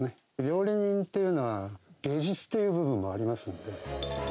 料理人っていうのは、芸術っていう部分もありますので。